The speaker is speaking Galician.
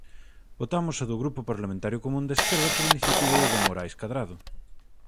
Votamos a do Grupo Parlamentario Común da Esquerda por iniciativa de don Morais Cadrado.